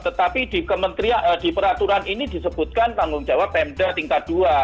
tetapi di peraturan ini disebutkan tanggung jawab pemda tingkat dua